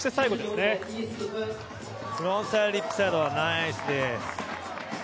フロントサイドリップスライドナイスです。